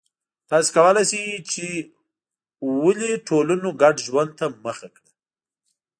تاسو کولای شئ چې ولې ټولنو ګډ ژوند ته مخه کړه